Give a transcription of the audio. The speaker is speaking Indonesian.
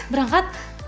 berangkat ke singapura